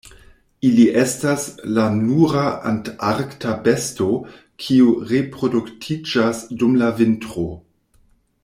Ili estas la nura antarkta besto kiu reproduktiĝas dum la vintro.